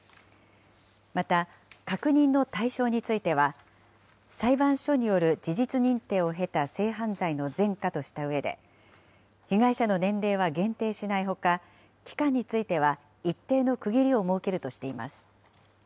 また、確認の対象については、裁判所による事実認定を経た性犯罪の前科としたうえで、被害者の年齢は限定しないほか、期間については一定の区切りを設けるとしています。